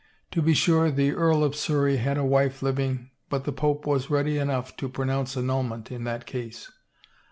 To be sure the Earl of Surrey had a wife living but the pope was ready enough to pronounce annulment in that case.